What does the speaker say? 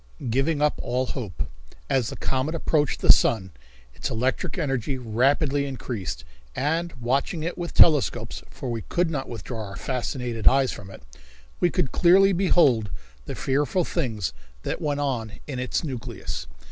Giving Up All Hope. As the comet approached the sun its electric energy rapidly increased, and watching it with telescopes, for we could not withdraw our fascinated eyes from it, we could clearly behold the fearful things that went on in its nucleus.